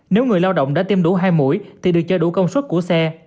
nếu người lao động đã tiêm đủ hai mũi thì được cho đủ công suất của xe